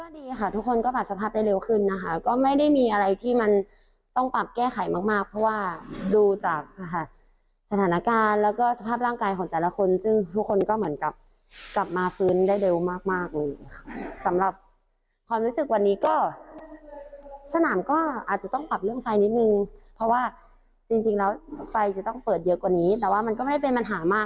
ไม่เป็นปัญหามากค่ะเพราะว่าวันจริงครับก็เขาจะปิดด้านนอกและสว่างแค่ในสนาม